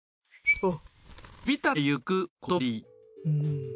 あっ！